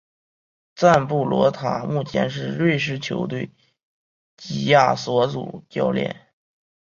赞布罗塔目前是瑞士球队基亚索主教练。